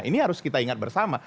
ini harus kita ingat bersama